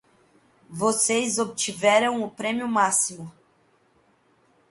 Vocês obtiveram o prêmio máximo.